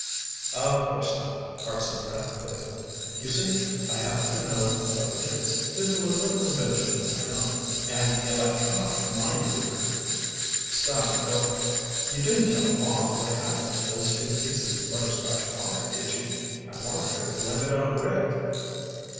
"Of course not," Hartson Brant put in. "You see, I happen to know what it is, due to a little invention of my own an electronic mind reader." Scotty gulped. "You didn't tell Mom what happened to those two pieces of butterscotch pie, did you? I wanted her to blame it on Rick."